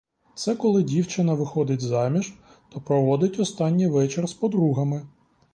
Це коли дівчина виходить заміж, то проводить останній вечір з подругами.